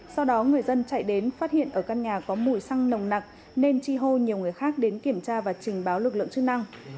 sau đó người dân chạy đến phát hiện ở căn nhà có mùi xăng nồng nặc nên chi hô nhiều người khác đến kiểm tra và trình báo lực lượng chức năng